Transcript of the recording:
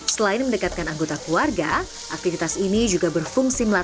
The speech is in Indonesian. selain mendekatkan anggota keluarga mereka juga menghasilkan kegiatan favorit keluarga